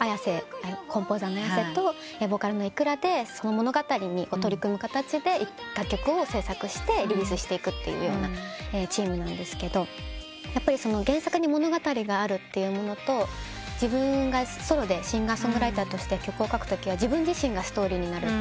コンポーザーのＡｙａｓｅとボーカルのｉｋｕｒａで物語を取り組む形で楽曲を制作してリリースしていくというチームなんですけどやっぱり原作に物語があるというものと自分がソロでシンガー・ソングライターとして曲を書くときは自分自身がストーリーになるという。